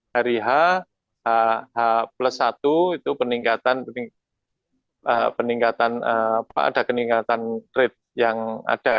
hari h h satu itu peningkatan rate yang ada